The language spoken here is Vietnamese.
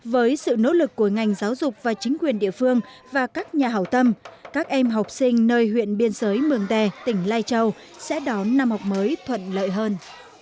với sự nỗ lực của ngành giáo dục và chính quyền địa phương và các nhà hảo tâm các em học sinh nơi huyện biên giới mường tè tỉnh lai châu sẽ đón năm học mới thuận lợi hơn